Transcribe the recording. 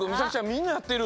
みんなやってる。